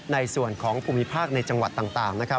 ในส่วนของภูมิภาคในจังหวัดต่างนะครับ